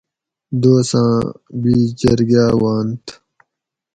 دوساں بِیش جرگا وانتھ